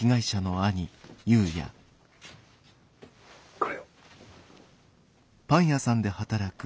これを。